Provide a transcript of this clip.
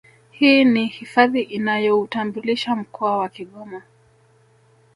Hii ni hifadhi inayoutambulisha mkoa wa Kigoma